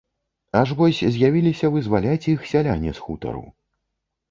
Аж вось з'явіліся вызваляць іх сяляне з хутару.